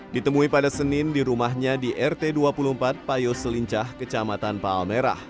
ditemui pada senin di rumahnya di rt dua puluh empat payo selincah kecamatan palmerah